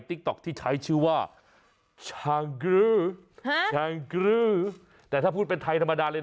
ติ๊กต๊อกที่ใช้ชื่อว่าแต่ถ้าพูดเป็นไทยธรรมดาเลยน่ะ